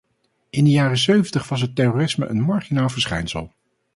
In de jaren zeventig was het terrorisme een marginaal verschijnsel.